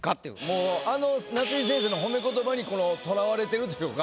もうあの夏井先生の褒め言葉にとらわれてるというか。